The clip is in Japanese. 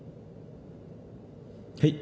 はい？